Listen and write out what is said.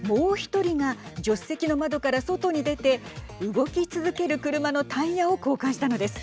１人が助手席の窓から外に出て動き続ける車のタイヤを交換したのです。